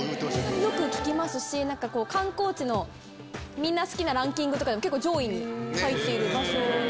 よく聞きますし観光地のみんな好きなランキングとかでも結構上位に入っている場所。